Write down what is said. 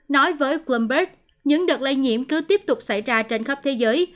nói với quânberg những đợt lây nhiễm cứ tiếp tục xảy ra trên khắp thế giới